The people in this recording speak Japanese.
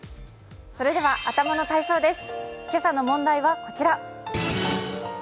それでは頭の体操です。